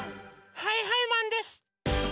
はいはいマンです！